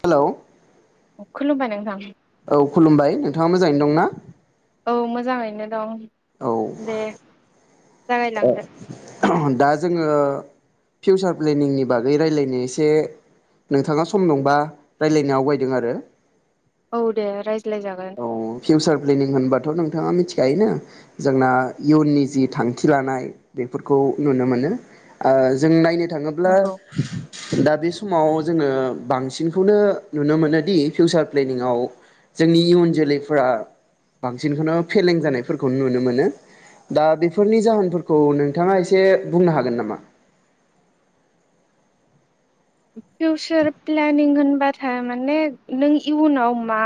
Hello खुलुमबाय नोंथां। औ खुलुमबाय नोंथाङा मोजाङैनो दंना? औ मोजाङैनो दं। औ दे जागाय लांदो दा जोङो फिउसार प्लेनिंनि बागै रायलायनो एसे नोंथाङा सम दंबा रायलायनो आवगायदों आरो। औ दे राय औ फिउचार प्लेनिं होनबाथ' नोंथाङा मिथि खायोना जोंना इयुननि जि थांखि लानाय बेफोरखौ नुनो मोनो ओ जों नायनो थाङोब्ला नंगौ दा बि समाव जोङो बांसिनखौनो नुनो मोनोदि फिउचार प्लेनिंआव जोंनि इयुन जोलैफोरा बांसिनखौनो फेलें जानायफोरखौ नुनो मोनो दा बेफोरनि जाहोनफोरखौ नोंथाङा एसे बुंनो हागोन नामा? फिउचार प्लेनिं होनबाथाय माने नों इयुनाव मा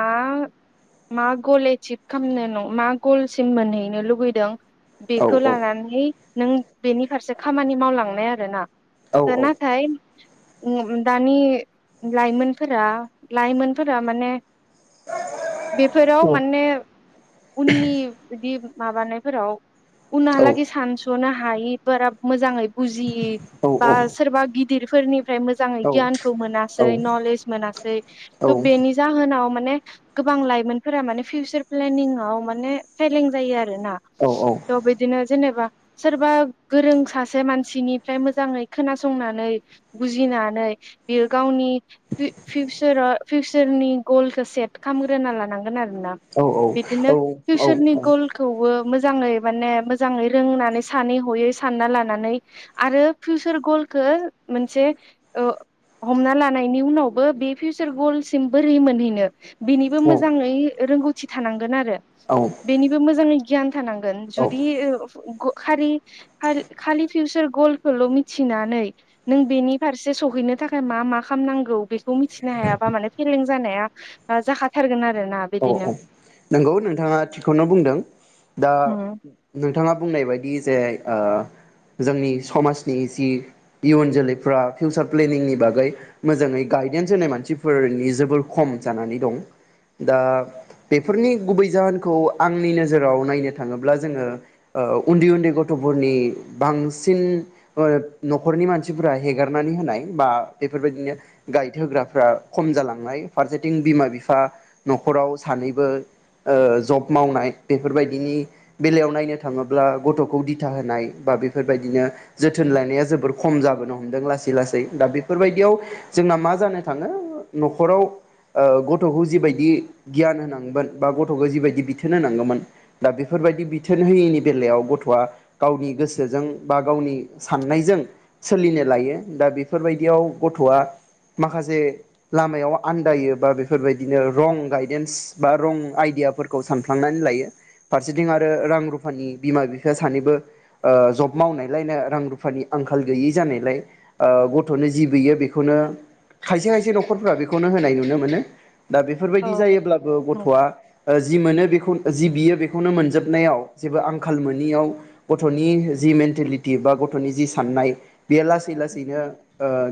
मा गल एसिभ खालामनो मा गलसिम मोनहैनो लुबैदों औ बेखौ लानानै नों बेनि फारसे खामानि मावलांनाय आरो ना। औ औ [unintelligible] उम दानि लाइमोनफोरा लाइमोनफोरा माने बेफोराव औ माने उननि बिदि माबानायफोराव औ उनहालागे सानस'ना हायिफोरा मोजाङै बुजियि बा सोरबा गि गिदिरफोरनि फ्राय मोजाङै गियानखौ मोनासै नलेज मोनासै थ बेनि जाहोनाव माने गोबां लाइमोनफोरा माने फिउचार प्लेनिंआव माने फेलें जायो आ रो ना थ' बिदिनो जेनेबा सोरबा गोरों सासे मानसिनिफ्राय मोजाङै खोनासंनानै बुजिनानै बियो गावनि फिउचारा फिउचारनि गलखौ सेट खालामग्रोना लानांगोन आरो। ना औ बिदिनो फिउचारनि गलखौबो मोजाङै माने मोजाङै रोंनानै सानै हयै सानना लानानै आरो फिउचार गलखो मोनसे ओ हमना लानायनि उनावबो बे फिउचार गलसिम बोरै मोनहैनो? बिनिबो मोजाङै रोंगौथि थि थानांगोन आरो। औ औ बेनिबो मोजाङै गियान थानांगोन औ जुदि खारि खाल-खालि फिउचार गलखोल' मिथिनानै नों बेनि फारसे सौहैनो थाखाय मा मा खामनांगौ बे खौ मिथिनो हायाबा माने फेलें जानाया जाखाथारगोन आ अ औ नंगौ नोंथाङा थिगखौनो बुंदों दा नोंथाङा बुंनाय बायदि। बि जे ओ जोंनि समाजनि जि इयुन जोलैफ्रा फिउचार प्लेनिंनि बागै मोजाङै गाइडेन्स होनाय मानसिफोरनि जोबोर खम जानानै दं। दा बेफोरनि गुबै जाहोनखौ आंनि नोजोराव नायनो थाङोब्ला जोङो ओ उन्दै उन्दै गथ'फोरनि बांसिन न'खरनि मानसिफोरा हेगारनानै होनाय बा बेफोरबायदिनो गाइड होग्राफ्रा खम जालांनाय फारसेथिं बिमा बिफा। न'खराव सानैबो ओ जब मावनाय बेफोरबायदिनि बेलायाव नायनो थाङोब्ला गथ'खौ दिथा होनाय बा बेफोरबायदिनो जोथोन लानाया जोबोर खम जाबोनो हमदों लासै लासै दा बेफोरबायदियाव जोंना मा जानो थाङो न'खराव ओ गथ'खौ जिबायदि। बिदि गियान होनांगोमोन बा गथ'खौ जिबायदि बिथोन होनांगौमोन दा बेफोरबायदि बिथोन होयैनि बेलायाव गथ'आ गावनि गोसोजों बा गावनि साननायजों सोलिनो लायो दा बेफोरबायदियाव गथ'आ माखासे लामायाव आन्दायो बा बेफोरबायदिनो। रं गायदेन्स बा रं आइडियाफोरखौ सानफ्लांनानै लायो फारसेथिं आरो रां रुफानि बिमा बिफाया सानैबो ओ जब मावनायलायनो रां रुफानि आंखाल गैयै जानायलाय ओ गथ'नो जिबियो बेखौनो खायसे खायसे न'खरफ्रा बेखौनो होनाय नुनो मोनो दा बे। औ बेफोरबायदि जायोब्लाबो औ गथ'आ जि मोनो बेखौ। जि बियो बेखौनो मोनजोबनायाव जेबो आंखाल मोनियाव गथ'नि जि मेन्टेलिटि बा गथ'नि जि साननाय बेयो लासै लासैनो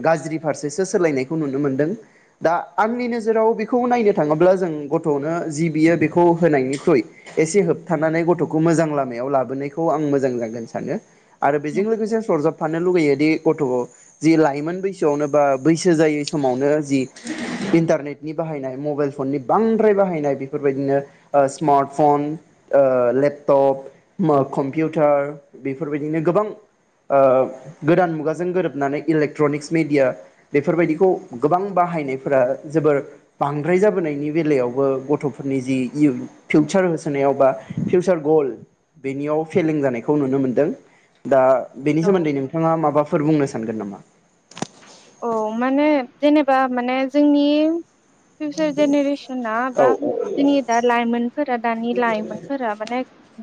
गाज्रि फारसेसो सोलायनायखौ नुनो मोन्दों दा आंनि नोजोराव बेखौ नायनो थाङोब्ला जों गथ'नो जि बियो बेखौ होनायनिख्रुइ एसे होबथानानै गथ'खौ मोजां लामायाव लाबोनायखौ आं मोजां जागोन सानो। आरो बेजों लोगोसे सरजाबफानो लुगैयोदि। गथ' जि लाइमोन बैसोआवनो बा बैसो जायै समावनो जि इन्टारनेटनि बाहायनाय मबाइल फननि बांद्राय बाहायनाय बेफोरबायदिनो ओ सिमार्ट फन ओ लेपटप कम्पिउतार बेफोरबायदिनो गोबां ओ गोदान मुगाजों गोरोबनानै इलेकट्रनिक्स मेडिया बेफोरबायदिखौ गोबां बाहायनायफोरा जोबोर बांद्राय जाबोनाय। बेनि बेलायावबो गथ'फोरनि जि इउ फिउचार होसोनायाव बा फिउचार गल बेनियाव फेलें जानायखौ नुनो मोनदों दा बेनि औ सोमोन्दै नोंथाङा माबाफोर बुंनो सा सानगोन नामा। औ माने जेनेबा माने जोंनि फिउचार जेनेरेसना औ बा जोंनि दा लाइमोनफोरा दानि लाइमोनफोरा माने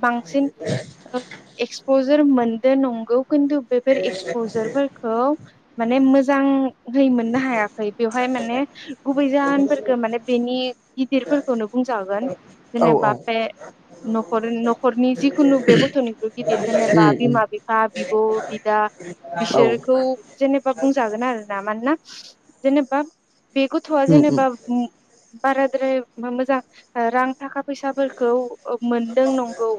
बांसिन ओ एक्सप दोर मोनदो नंगौ। खिन्थु बेफोर एक्सप'झार फोरखौ माने मोज जांयहै मोननो हायाखै बेवहाय माने गुबै जाहोनफोरखौ माने बेनि गिदिरफोरखौनो बुंजागोन औ जेनेबा औ बे न'खर न'खरनि जिखुनु बे गथ'नि गिदिर जेनेबा उम उम बिमा बिफा बिब'। बिदा औ बिसोरखौ जेनेबा बुं ना मानोना जेनेबा। बे गथ'वा उम उम जेनेबा। बाराद्राय बे मोजां रां थाखा फैसाफोरखौ। ओब मोनदों नंगौ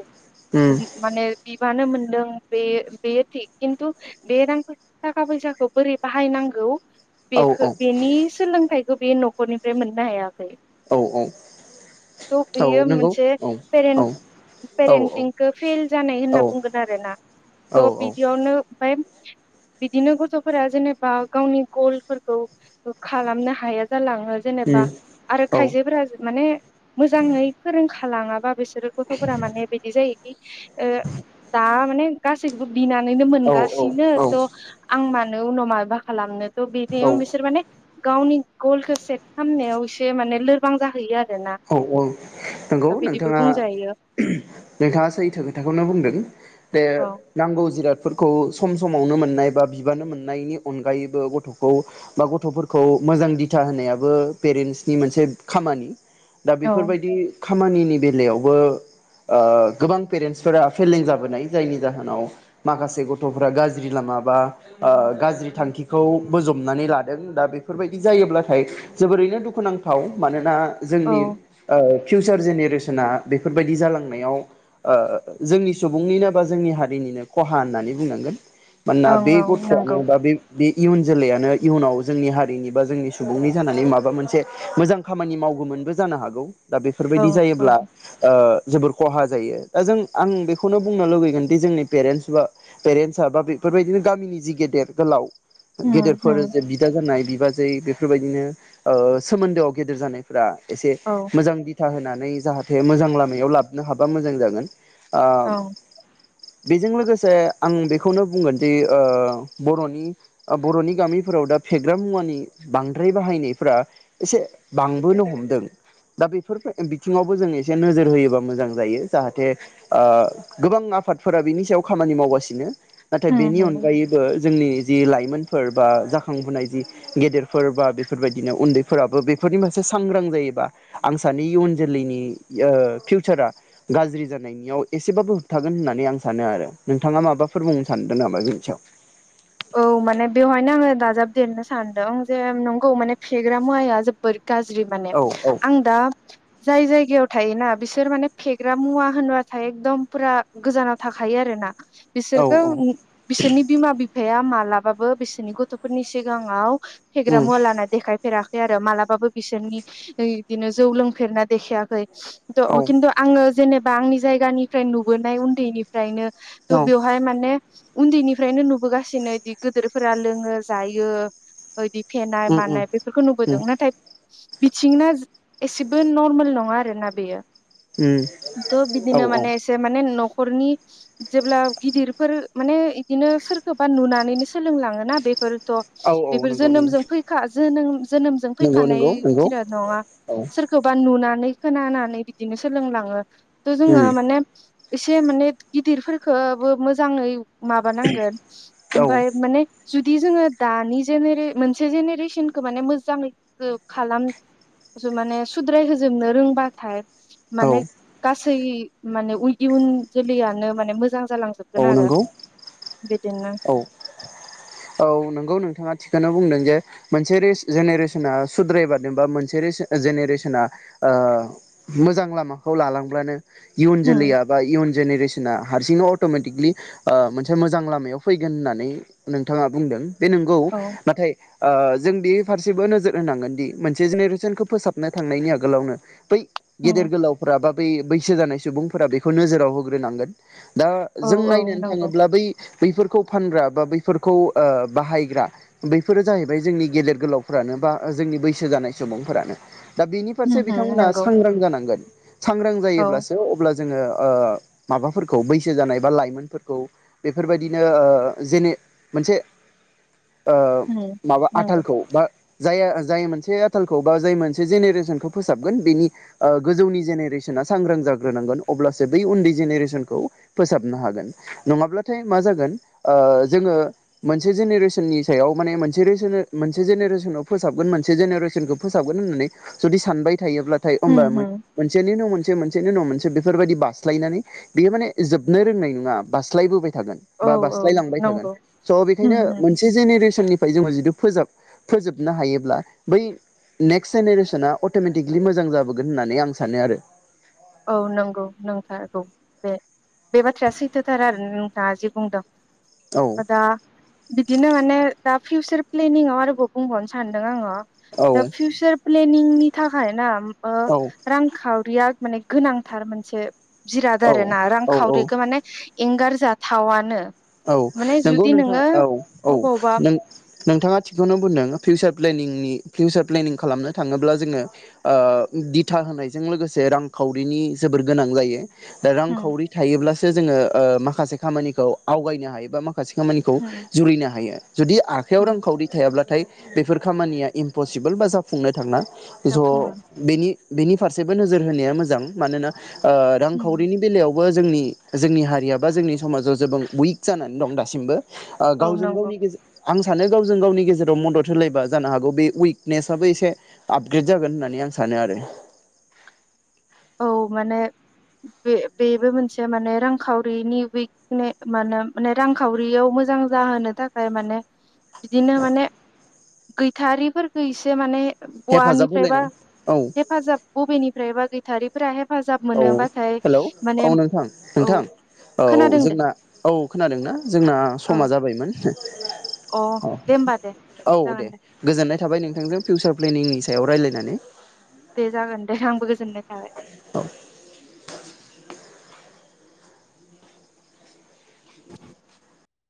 उम माने मानो मोनदों बे बियो थि खिन्थु बे रां थाखा फैसाखौ बोरै बाहायनांगौ? औ बेखौ बेनि सोलोंथाइ खौ बे न'खरनिफ्राय मोननो हायाख थ' औ औ औ बेयो नंगौ मोनसेे औ औ पेरेन्ट पेरेन्टिंखौ फेल जानाय औ होनना बुंगोन आरो ना औ थ' बिदियावनो ओमफ्राय बिदिनो गथ' फोरा जेनेबा गावनि गलफोरखौ खालामनो हाया जालां। ओ जेनेबा उम आरो औ खायसेबा माने मोजांऔ फोरों खालाङाबा बेस बिसोर गथ'फोरा माने बिदि जायोखि ओ दा माने गासैखोबोब बिनानैनो औ मोनगासिनो थ' औ आं मान उनाव माबाबा खालामनो औ [unintelligible] बिसोर माने गावनि गलखौ सेट खामनायाव इसे माने लोरबां जाहैयो आर औ औ नंगौ नोंथाङा बुंजायो नोंथाङा सैथो खोथाखौनो बुंदों। बे औ नांगौ जिरादफोरखौ सम समावनो मोननाय बा बिबानो मोननायनि अनगायैबो गथ'खौ बा गथ'फोरखौ मोजां दिथा होनायाबो पेरेन्टसनि मोनसे खामानि। दा औ बेफोरबायदि खामानिनि बेलायावसो ओ गोबां पेरेन्टसफोरा फेलें जाबोनाय। जायनि जाहोनाव माखासे गथ'फोरा गाज्रि लामा बा ओ गाज्रि थांखिखौ बोजबनानै लादों दा बेफोरबायदि जायोब्लाथाय जोबोरैनो दुखुनांथाव। मानोना औ जोंनि औ फिउचार जेनेरेसना बेफोरबायदि जालांनायाव ओ जोंनि सुबुंनिनो बा जोंनि हारिनिनो खहा होननानै बुंनांगोन। मानोना ओं बे ओं नंगौ गथ'आनो बा बे बे इयुन जोलैयानो इयुनाव जोंनि हारिनि बा जोंनि सुबुंनि जानानै माबा मोनसे मोजां खामानि माव गौमोनबो जानो हागौ। दा औ बेफोरबायदि औ जायोब्ला ओ जोबोर खहा जायो। दा जों आं बेखौनो बुंनो लुुबैगोन दि जोंनि पेरेन्टस बा पेरेन्टसा बा बेफोरबायदिनो गामिनि जि गेदेर गोलाव गेदेरफोर औ जे बिदा जानाय बि बाजै बेफोरबायदिनो ओ सोमोन्दोआव गेदेर जानाय फोरा एसे ओं मोजां दिथा होनानै जाहाथे मोजां लामायाव लाबनो हाबा मोजां जागोन। आ बेजों लोगोसे आं बेखौनो बुंगोनदि ओ बर'नि ओ बर'नि गामिफोराव दा फेग्रा मुवानि बांद्राय बाहायनायफ्रा एसे बां बोनो हमदों। दा बेफोर बिथिङावबो जों एसे नोजोर होयोबा मोजां जायो। जाहाथे ओ गोबां आफादफोरा बिनि सायाव खामानि मावगासिनो। नाथाय बेनि होम होम अनगायैबो जोंनि जि लाइमोनफोर बा जाखांबोनाय जि गेदेरफोर बा बेफोरबायदिनो उन्दैफोराबो बेफोरनि फार से सांग्रां जायोबा आं सानै इयुन जोलैनि ओ फिउसारा गाज्रि जानायनियाव एसेबाबो होबथागोन होननानै आं सानो आरो नोंथाङा माबाफोर बुंनो सानदों नामा बेनि सायाव। औ माने बेवहायनो आङो दाजाबदेरनो सानदों जे नंगौ माने फेग्रा मुवाया जोबोर गाज्रि माने। औ औ आं दा जाय जायगायाव थायोना बिसोर माने फेग्रा मुवा होनोबाथाय एखदम फुरा गोजानाव थाखायो आरो ना। औ बिसोरखौ औ बिसोरनि बिमा बि फाया मालाबाबो बिसोरनि गथ'फोरनि सिगाङाव फेग्रा उम मुवा लाना देखायफेरा। आरो मालाबाबो बिसोरनि ओइ इदिनो जौ लोंफेरना देखायाखै। औ त' खिन्थु आङो जेनेबा आंनि जायगानिफ्राय नुबोनाय उन्दैनिफ्रायनो त' औ बेवहाय माने उन्दैनिफ्रायनो नुबोगा सिनो इदि गोदोरफोरा लोङो जायो। इदि फेनाय उम उम मानाय बेफोरखौ उम नुबोदों। नाथाय बिथिंना एसेबो नर्मेल नङा आरो ना बेयो। उम थ' औ बिदिनो औ माने एसे माने न न'खरनि जेब्ला गिदिरफोर माने इदिनो सोर सोरखोबा नुनानैनो सोलोंलाङोना बेफोर थ' औ औ बेफोर नंगौ नंगौ जोनोमजों फैखा जोनोम जोनोमजों नंगौ फैखानाय नंगौ नंगौ जिराद नङा औ सोरखौबा नुना नानै खोनानानै बिदिनो सोलोंलाङो। थ' जोङो उम माने एसे माने गिदिरफोरखोबो मोजाङै माबा नांगोन औ ओमफाय माने जुदि जोङो दानि जेनेरे मोनसे जेनेरेसनखौ माने मोजाङै खालाम माने सुद्राय होजोबनो रोंबाथाय औ माने गास सै माने इउन जोलैयनो माने मोजां औ जालांजोबगोन आरो नंगौ बे औ औ नोंगौ नोंथाङा थिखोनो बुंदों। जे मोनसे रेस जेनेरेसना सुद्रायबादों बा मोनसे रेस जेनेरेसना ओ मोजां लामाखौ लालांब्लानो इयुन होम जोलैया बा इयुन जेनेरेसना हारसिंनो अटमेटिकलि ओ मोनसे मोजां लामायाव फैगोन होननानै नोंथाङा बुंदों। बे नोंगौ औ नाथाय ओ जोंदि फारसेबो नोजोर होनांगोन दि मोनसे जेनेरेसनखौ फोसाबनो थांनायनि आगोलावनो बै गेदेर होम गोलावफोरा बा बै बैसो जानाय सुबुंफोरा बेखौ नोजोराव होग्रोनांगोन दा औ जों औ नायनोनो नंगौ थाङोब्ला बै खौ फानग्रा बा बैफोरखौ ओ बाहायग्रा बैफोरो जाहैबाय जोंनि गेदेर गोलावफ्रानो बा जोंनि बैसो जानाय सुबुंफोरानो दा बेनि होम फारसे होम बिथांमोना नंगौ सांग्रां जानांगोन सांग्रां औ जायोब्लासो अब्ला जोङो ओ माबाफोरखौ बैसो जानाय बा लाइमोनफोरखौ बे बेफोरबायदिनो ओ जेने मोनसे ओ होम माबा नंगौ आथालखौ बा जाया जाय मोनसे आथालखौ बा जाय मोनसे जेनेरेसनखौ फोसाबगोन बेनि ओ गोजौनि जेनेरेसना सांग्रां जाग्रोनांगोन अब्लासो बै उन्दै जेनेरेसनखौ फोसाबनो हागोन नङाब्ला थाय मा जागोन जोङो मोनसे जेनेरेसननि सायाव माने मोनसे मोनसे रेसने जेनेरेसनाव फोसाबगोन मोनसे जेनेरेसनखौ फोसाबगोन होननानै जुदि सानबाय थायोब्लाथाय ओमबा होम होम मोन-मोनसेनि उनाव मोनसे जे मोनसेनि उनाव मोनसे बेफोरबायदि बास्लायनानै बेयो माने जोबनो रोंनाय नङा बास्लायबोबाय थागोन औ बा औ बासलाय लांबाय थागोन नंगौ स बेखायनो होम होम मोनसे जेनेरेसननि फ्राय जोङो जुदु फोजाब फोजोबनो हायोब्ला बै नेक्स्ट जेनेरेसना अटमेटिकलि मोजां जाबोगोन होननानै आं सानो आरो। औ नोंगौ नोंथारगौ बे बे बाथ्राया सैथोथार आरो नोंथाङा जि बुंदों औ ओ दा बिदिनो माने दा फिउचार प्लेनिंआव आरोबाव बुंबावनो सानदों आङो औ दा फिउचार प्लेन निं नि थाखाय ना ओ औ रां खाव रिया माने गोनांथार मोनसे जिराद आरो ना औ औ औ रांखावरिखो माने एंगारजाथावानो औ नोंगौ नोंथां औ औ अबावबा नों नोंथाङा थिखौनो बुंदों फिउचार प्लेनिंनि फिउचार प्लेनिं खालामनो थाङोब्ला जोङो ओ दिथा होनायजों लोगोसे रांखावरिनि जोबोर गोनां जायो उम रांखावरि थायोब्लासो जोङो ओ माखासे खामानिखौ आवगायनो हायोबा मा खासे खामानिखौ उम जुरिनो हायो जुदि आखायाव उम रांखावरि थायाब्लाथाय बेफोर खामानिया इम्पसिबोल बा जाफुंनो थाङा ज' जाफुङो बेनि बेनि फारसेबो नोजोर होनाया मोजां मानोना ओ उम रांखावरिनि बेलायाव बो जोंनि जोंनि हारिया बा जोंनि समाजाव जेबो उइक जानानै दं दासिमबो ओ औ गावजों नंगौ गावनि गेजेर आं सानो गावजों गावनि गेजेराव मदद होलायबा जानो हागौ बे उइकनेसाबबो एसे आपग्रेद जागोन होननानै आं सानो आरो औ माने बे बेबो मोनसे माने रांखावरिनि उइकने माने माने रांखावरियाव मोजां जाहोनो थाखाय माने बिदिनो माने गैथारिफोरफोरखौ इसे माने हेफाजाब बवानिफ्रायबा होलायना औ हेफाजाब बबेनिफ्रायबा गै थारिफोरा हे औ हेलौ औ नोंथां औ नोंथां औ खोनादों दे जोंना औ खोनादोंना जोंना समा औ जाबायमोन ज अ दे होमबा दे [inaudible] औ दे गोजोननाय थाबाय नों थांजों फिउसार प्लेनिंनि सायाव रायज्लायनानै दे जागोन दे आंबो गोजोननाय थाबाय औ